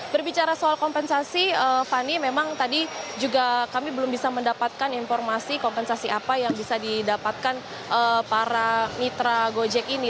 berbicara soal kompensasi fani memang tadi juga kami belum bisa mendapatkan informasi kompensasi apa yang bisa didapatkan para mitra gojek ini